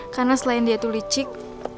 karena selain dia tuh licin